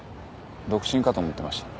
独身かと思ってました。